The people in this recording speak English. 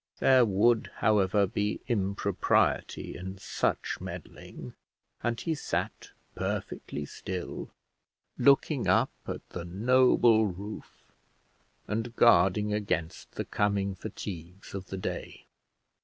There would, however, be impropriety in such meddling, and he sat perfectly still, looking up at the noble roof, and guarding against the coming fatigues of the day.